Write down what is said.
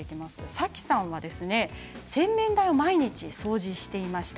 さきさんは洗面台を毎日掃除していました。